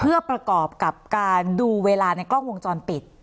เพื่อประกอบกับการดูเวลาในกล้องวงจรปิด